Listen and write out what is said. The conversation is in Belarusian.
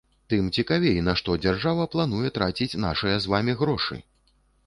Тым цікавей, на што дзяржава плануе траціць нашыя з вамі грошы!